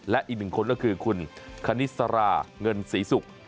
และอีกหนึ่งคนก็คือคุณคณิสราเงินศรีศุกร์